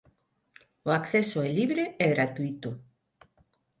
O acceso é libre e gratuíto.